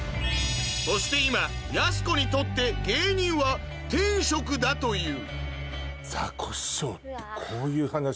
そして今やす子にとって芸人は天職だという確かに。